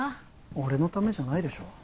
俺のためじゃないでしょ